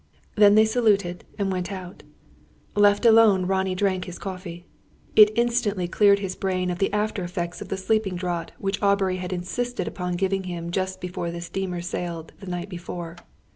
Then they saluted, and went out. Left alone, Ronnie drank his coffee. It instantly cleared his brain of the after effects of the sleeping draught which Aubrey had insisted upon giving him just before the steamer sailed the night before.